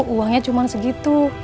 uangnya cuman segitu